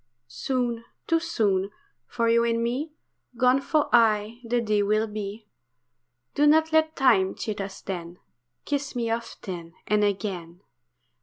Soon, too soon, for you and me Gone for aye the day will be. Do not let time cheat us then, Kiss me often and again.